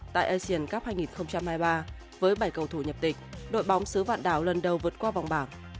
tại asian cup hai nghìn hai mươi ba với bảy cầu thủ nhập tịch đội bóng xứ vạn đảo lần đầu vượt qua vòng bảng